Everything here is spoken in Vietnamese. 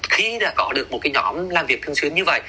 khi đã có được một cái nhóm làm việc thường xuyên như vậy